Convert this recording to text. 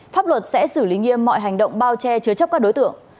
pháp luật sẽ xử lý nghiêm mọi hành động bao che chứa chấp các đối tượng